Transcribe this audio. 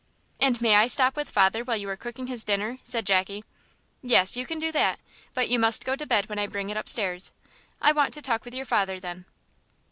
"And may I stop with father while you are cooking his dinner?" said Jackie. "Yes, you can do that; but you must go to bed when I bring it upstairs. I want to talk with father then."